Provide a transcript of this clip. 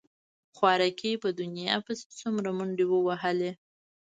خواركى په دنيا پسې يې څومره منډې ووهلې.